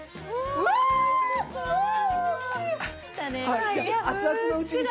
うわっすごい！